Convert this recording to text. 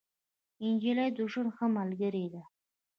نجلۍ د ژوند ښه ملګرې ده.